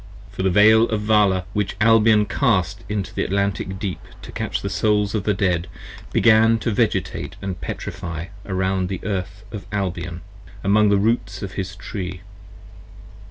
For the Veil of Vala, which Albion cast into the Atlantic Deep To catch the Souls of the Dead, began to Vegetate & Petrify Around the Earth of Albion, among the Roots of his Tree.